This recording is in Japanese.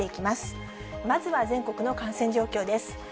まずは全国の感染状況です。